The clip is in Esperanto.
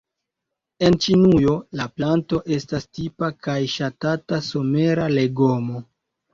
En Ĉinujo la planto estas tipa kaj ŝatata somera legomo.